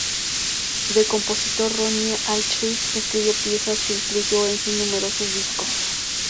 De compositor Ronnie Aldrich escribió piezas que incluyó en sus numerosos discos.